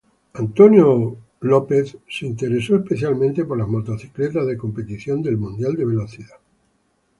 Michael Krauser se interesó especialmente por las motocicletas de competición del mundial de velocidad.